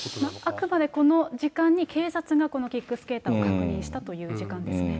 あくまでこの時間に警察がこのキックスケーターを確認したという時間ですね。